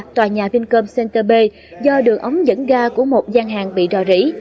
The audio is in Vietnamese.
tòa nhà vincom center b do đường ống dẫn ga của một gian hàng bị đòi rỉ